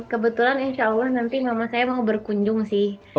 kebetulan insya allah nanti mama saya mau berkunjung sih